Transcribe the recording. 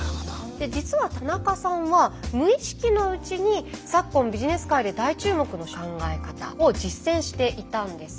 実は田中さんは無意識のうちに昨今ビジネス界で大注目の考え方を実践していたんです。